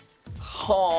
はあ！